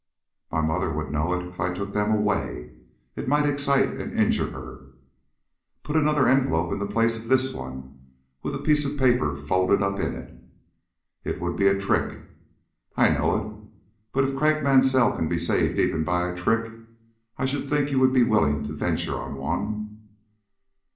"My mother would know it if I took them away. It might excite and injure her." "Put another envelope in the place of this one, with a piece of paper folded up in it." "It would be a trick." "I know it; but if Craik Mansell can be saved even by a trick, I should think you would be willing to venture on one."